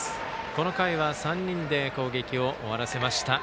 この回は３人で攻撃を終わらせました。